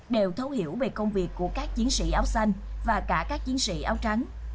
đều thấu hiểu về công việc của các chiến sĩ áo xanh và cả các chiến sĩ áo trắng